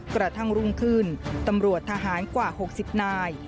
กระทั่งรุ่งขึ้นตำรวจทหารกว่า๖๐นาย